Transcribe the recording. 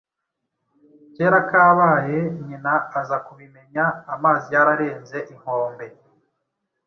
Kera kabaye nyina aza kubimenya amazi yararenze inkombe,